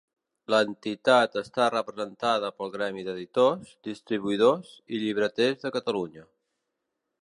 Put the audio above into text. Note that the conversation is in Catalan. L'entitat està representada pel gremi d'editors, distribuïdors i llibreters de Catalunya.